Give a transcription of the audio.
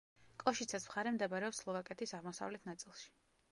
კოშიცეს მხარე მდებარეობს სლოვაკეთის აღმოსავლეთ ნაწილში.